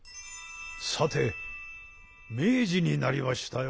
さて明治になりましたよ。